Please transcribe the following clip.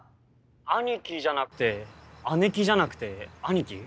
兄貴じゃなくて姉貴じゃなくて兄貴？